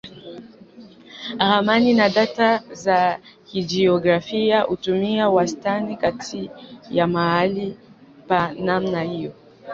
Ramani na data za kijiografia hutumia wastani kati ya mahali pa namna hiyo.